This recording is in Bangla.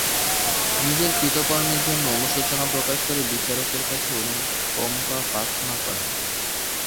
নিজের কৃতকর্মের জন্য অনুশোচনা প্রকাশ করে বিচারকের কাছে অনুকম্পা প্রার্থনা করেন।